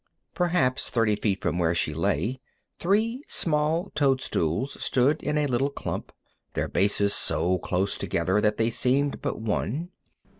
Perhaps thirty feet from where she lay, three small toadstools grew in a little clump, their bases so close together that they seemed but one.